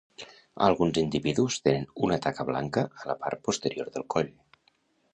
Alguns individus tenen una taca blanca a la part posterior del coll.